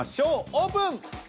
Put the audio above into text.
オープン！